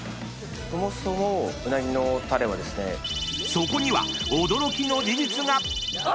［そこには驚きの事実が！］